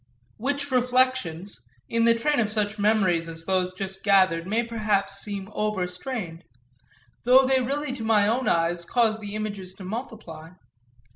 Which reflections, in the train of such memories as those just gathered, may perhaps seem over strained though they really to my own eyes cause the images to multiply.